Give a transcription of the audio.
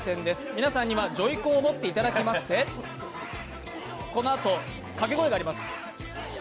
皆さんにはジョイコンを持っていただきまして、このあとかけ声があります。